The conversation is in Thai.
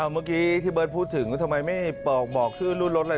เมื่อกี้ที่เบิร์ตพูดถึงทำไมไม่บอกชื่อรุ่นรถอะไร